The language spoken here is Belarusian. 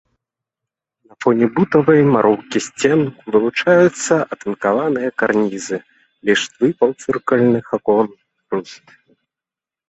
На фоне бутавай муроўкі сцен вылучаюцца атынкаваныя карнізы, ліштвы паўцыркульных акон, руст.